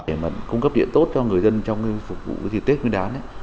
để mà cung cấp điện tốt cho người dân trong phục vụ tết nguyên đán